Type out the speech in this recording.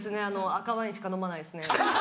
赤ワインしか飲まないですね。